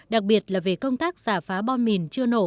đặc biệt là về công tác giả phá bom mìn chưa nổ